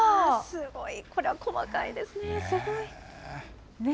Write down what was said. すごい、これは細かいですね。